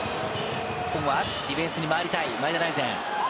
ここはディフェンスに回りたい、前田大然。